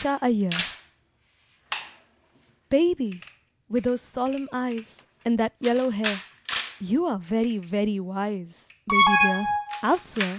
TO A BABY Baby, with those solemn eyes And that yellow hair You are very, very wise, Baby dear, I'll swear!